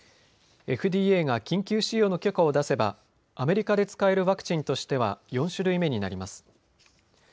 ＦＤＡが緊急使用の許可を出せばアメリカで使えるワクチンとしては４種類目になります。